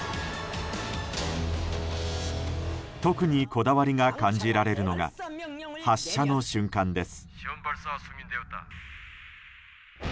特にこだわりが感じられるのが発射の瞬間です。